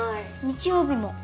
日曜日も。